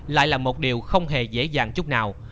lại là một điều không hề dễ dàng chút nào